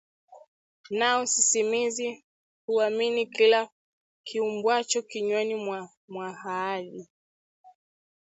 nao sisimizi huamini kila kiumbwacho kinywani mwa wa ahadi